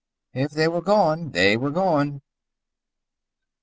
If they were gone, they were gone.